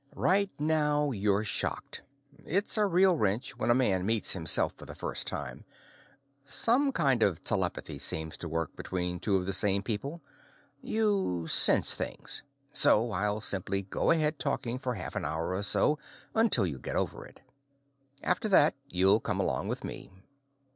Right now, you're shocked. It's a real wrench when a man meets himself for the first time. Some kind of telepathy seems to work between two of the same people. You sense things. So I'll simply go ahead talking for half an hour or so, until you get over it. After that you'll come along with me.